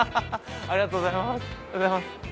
ありがとうございます。